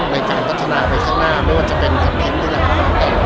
ในการพัฒนาไปข้างหน้าไม่ว่าจะเป็นทางมีนกลาง